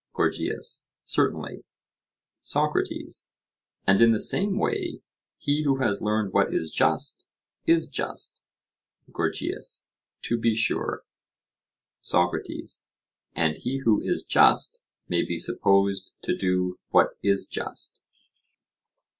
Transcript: GORGIAS: Certainly. SOCRATES: And in the same way, he who has learned what is just is just? GORGIAS: To be sure. SOCRATES: And he who is just may be supposed to do what is just?